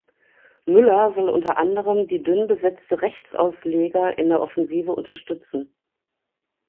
Müller soll unter anderem die dünn besetzte Rechtsausleger in der Offensive unterstützen.